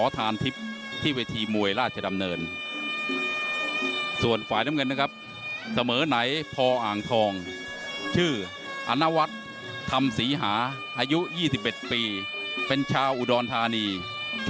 ไม่มีเกียร์ถอยหลังแต่สุดท้าย